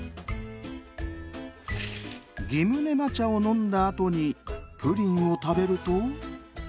ギムネマちゃをのんだあとにプリンをたべると。